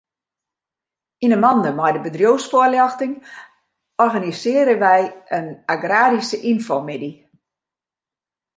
Yn 'e mande mei de bedriuwsfoarljochting organisearje wy in agraryske ynfomiddei.